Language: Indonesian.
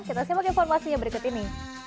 kita simak informasinya berikut ini